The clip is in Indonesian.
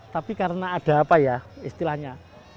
tapi karena ada apa ya istilahnya